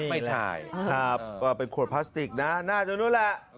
ไม่ใช่ครับก็เป็นขวดพลาสติกนะน่าจะนู้นแหละ